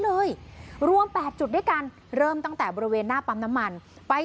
เลยรวมแปดจุดด้วยกันเริ่มตั้งแต่บริเวณหน้าปั๊มน้ำมันไป